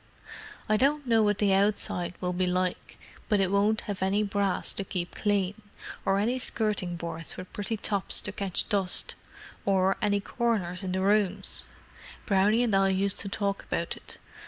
"I don't know what the outside will be like. But it won't have any brass to keep clean, or any skirting boards with pretty tops to catch dust, or any corners in the rooms. Brownie and I used to talk about it.